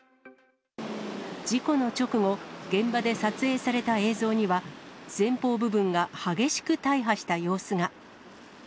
事故の直後、現場で撮影された映像には、前方部分が激しく大破した様子が。